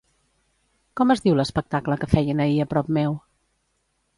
Com es diu l'espectacle que feien ahir a prop meu?